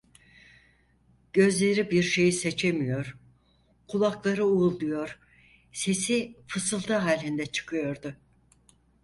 Gözleri bir şey seçemiyor, kulakları uğulduyor, sesi fısıltı halinde çıkıyordu.